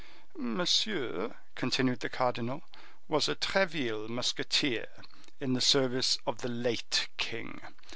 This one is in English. "Monsieur," continued the cardinal, "was a Treville musketeer, in the service of the late king.